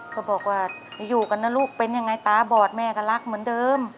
ก็บอกว่าอย่าอยู่กันนะลูกเป็นยังไงตาบอดแม่ก็รักเหมือนเดิม